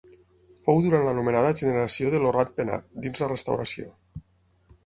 Fou durant l’anomenada generació de «Lo Rat Penat», dins la Restauració.